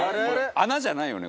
「穴じゃないよね？